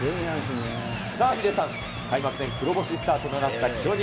さあ、ヒデさん、開幕戦黒星スタートとなった巨人。